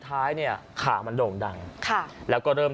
พี่บ้านไม่อยู่ว่าพี่คิดดูด